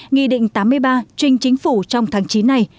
nghị định tám mươi ba trình chính phủ trong tháng chín này